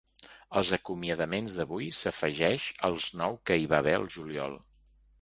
Els acomiadaments d’avui s’afegeix als nou que hi va haver al juliol.